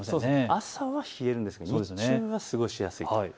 朝は冷えるんですけれども日中は過ごしやすいです。